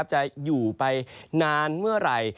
จะอยู่ไปนานเมื่อไหร่